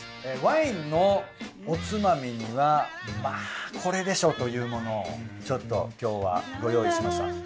ワインのおつまみにはまあこれでしょうというものをちょっと今日はご用意しました。